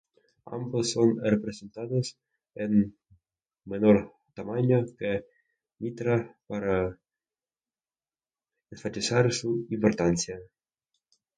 Ambos son representados en menor tamaño que Mitra para enfatizar su importancia.